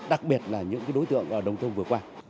đặc biệt là những đối tượng ở đồng thôn vừa qua